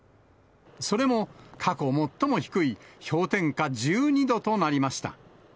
それも、過去最も低い氷点下１２度となりました。